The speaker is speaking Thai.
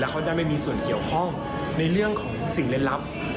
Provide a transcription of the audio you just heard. เขาจะไม่มีส่วนเกี่ยวข้องในเรื่องของสิ่งเล่นลับ